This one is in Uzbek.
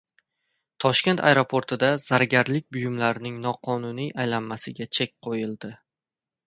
Toshkent aeroportida zargarlik buyumlarining noqonuniy aylanmasiga chek qo‘yildi